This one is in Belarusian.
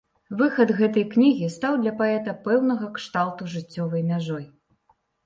Выхад гэтай кнігі стаў для паэта пэўнага кшталту жыццёвай мяжой.